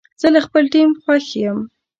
زه له خپل ټیم خوښ یم.